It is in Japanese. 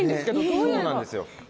そうなんですよ。